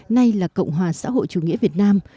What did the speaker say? nay là cộng hòa xã hội chủ nghĩa việt nam